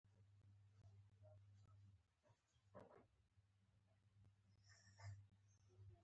سید د پیسو ګټلو لپاره په سیالیو کې برخه واخیسته.